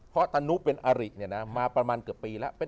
เพราะตนุเป็นอาริมาประมาณเกือบปีแล้ว